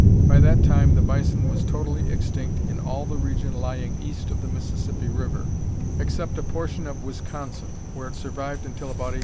By that time the bison was totally extinct in all the region lying east of the Mississippi River except a portion of Wisconsin, where it survived until about 1830.